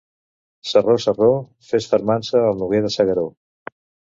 Sarró, sarró, fes fermança al Noguer de S'Agaró.